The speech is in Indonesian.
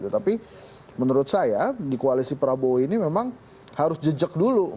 tapi menurut saya di koalisi prabowo ini memang harus jejak dulu